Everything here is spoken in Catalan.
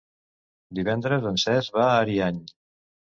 Divendres en Cesc va a Ariany.